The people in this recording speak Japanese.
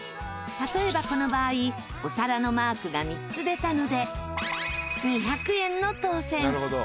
例えばこの場合お皿のマークが３つ出たので２００円の当せん。